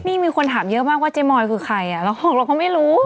นี่มีคนถามเยอะมากว่าเจ๊มอยคือใครอ่ะเราก็ไม่รู้